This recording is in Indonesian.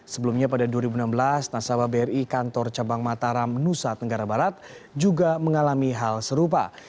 sebelumnya pada dua ribu enam belas nasabah bri kantor cabang mataram nusa tenggara barat juga mengalami hal serupa